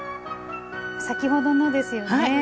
先ほどのですよね。